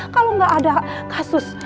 kalau gak ada kasus